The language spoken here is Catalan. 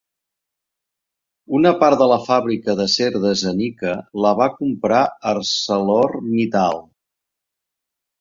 Una part de la fàbrica d'acer de Zenica la va comprar Arcelor Mittal.